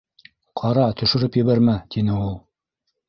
— Ҡара, төшөрөп ебәрмә! — тине ул.